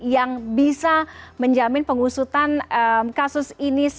yang bisa menjamin pengusutan kasus ini